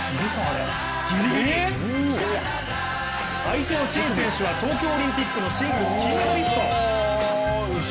相手の陳選手は東京オリンピックシングルス金メダリスト。